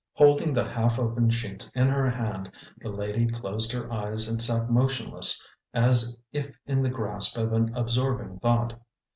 Holding the half opened sheets in her hand, the lady closed her eyes and sat motionless, as if in the grasp of an absorbing thought.